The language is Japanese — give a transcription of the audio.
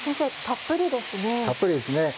たっぷりですね。